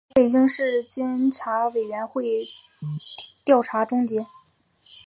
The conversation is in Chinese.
由北京市监察委员会调查终结